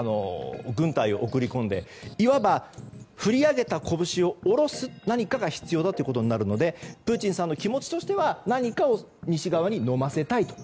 軍隊を送り込んでいわば、振り上げた拳を下ろす何かが必要だということになるのでプーチンさんの気持ちとしては何かを西側にのませたい。